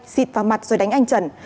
xịt vào mặt rồi đánh anh trần